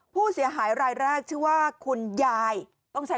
ผู้เสียหายรายแรกชื่อว่าคุณยายต้องใช้